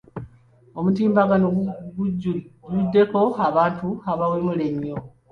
Omutimbagano gujjuddeko abantu abawemula ennyo.